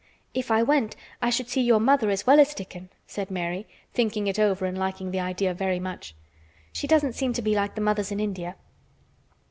"If I went I should see your mother as well as Dickon," said Mary, thinking it over and liking the idea very much. "She doesn't seem to be like the mothers in India."